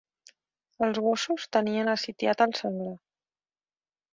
Els gossos tenien assitiat el senglar.